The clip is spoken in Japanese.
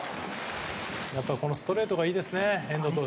このストレートがいいですね。